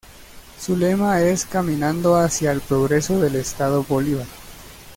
Su lema es "Caminando hacia el progreso del Estado Bolívar".